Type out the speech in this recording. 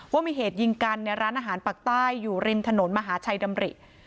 ว่ามีเหตุยิงกันในร้านอาหารปากใต้อยู่ริมถนนมหาชัยดำริ